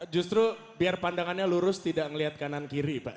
justru biar pandangannya lurus tidak melihat kanan kiri pak